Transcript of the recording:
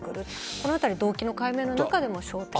このあたり動機の解明の中でも焦点だと。